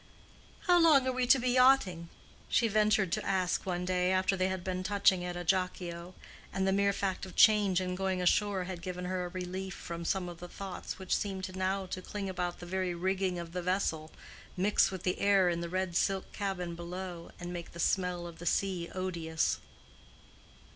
"How long are we to be yachting?" she ventured to ask one day after they had been touching at Ajaccio, and the mere fact of change in going ashore had given her a relief from some of the thoughts which seemed now to cling about the very rigging of the vessel, mix with the air in the red silk cabin below, and make the smell of the sea odious.